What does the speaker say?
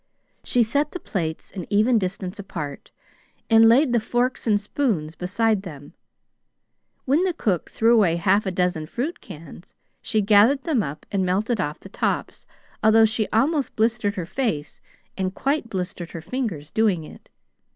She set the plates an even distance apart, and laid the forks and spoons beside them. When the cook threw away half a dozen fruit cans, she gathered them up and melted off the tops, although she almost blistered her face and quite blistered her fingers doing it.